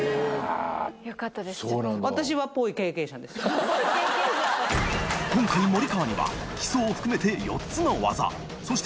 ２森川には基礎を含めて４つの技磴修靴